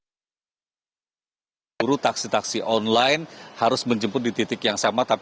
dan juga untuk guru taksi taksi online harus menjemput di titik yang sama